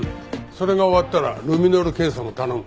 それが終わったらルミノール検査も頼む。